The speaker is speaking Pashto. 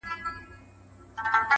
اوس په ساندو كيسې وزي له كابله!.